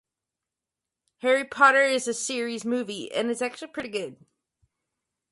Truro - Perranarworthal - Penryn - Falmouth.